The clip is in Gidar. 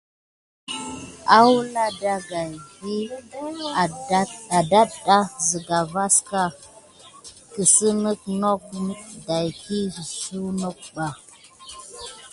Gawla ɗagaï vini adata sika vaska kisiyeke noke daki sunokbas.